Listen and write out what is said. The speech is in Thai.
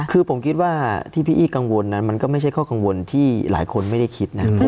คือผมคิดว่าที่พี่อี้กังวลนั้นมันก็ไม่ใช่ข้อกังวลที่หลายคนไม่ได้คิดนะ